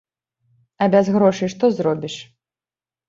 А без грошай што зробіш?